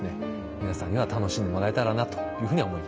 皆さんには楽しんでもらえたらなというふうに思います。